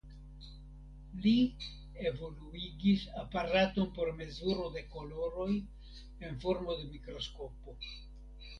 Li evoluigis aparaton por mezuro de koloroj en formo de mikroskopo.